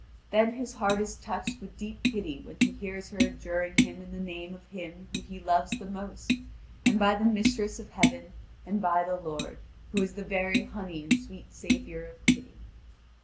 Then his heart is touched with deep pity when he hears her adjuring him in the name of him whom he loves the most, and by the mistress of heaven, and by the Lord, who is the very honey and sweet savour of pity.